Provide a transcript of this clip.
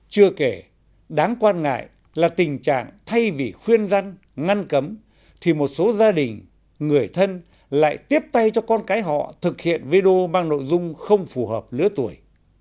chưa kể đáng quan ngại là tình trạng thay vì khuyên răn ngăn cấm thì một số gia đình người thân lại tiếp tay cho con cái họ thực hiện video mang nội dung không phù hợp lứa tuổi